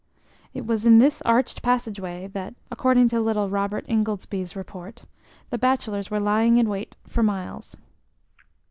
It was in this arched passage way that, according to little Robert Ingoldsby's report, the bachelors were lying in wait for Myles.